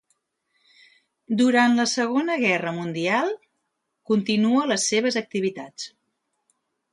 Durant la Segona Guerra Mundial, continua les seves activitats.